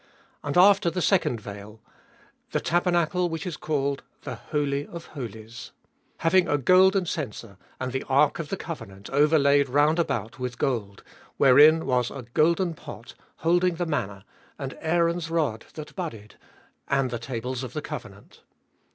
3. And after the second veil, the tabernacle which is called the Holy of Holies. 4. Having a golden censer, and the ark of the covenant overlaid round about with gold, wherein was a golden pot holding the manna, and Aaron's rod that budded, and the tables of the covenant ; 5.